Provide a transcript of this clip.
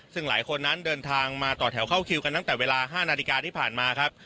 ซึ่งหลายคนนั้นเดินทางมาต่อแถวเข้าคิวกันตั้งแต่เวลา๕นาฬิกาที่ผ่านมาครับ